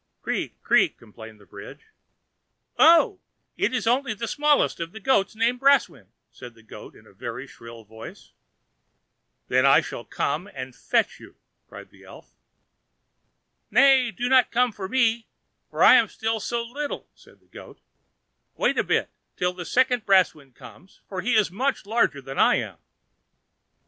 "Creak, creak!" complained the bridge. "Who is tripping over my bridge?" cried the elf underneath. "Oh! it is only the smallest of the goats named Brausewind," said the goat in a very shrill voice. "Then I shall come and fetch you," cried the elf. "Nay, do not come for me, for I am still so little," said the goat; "wait a bit, till the second Brausewind comes, for he is much larger than I am."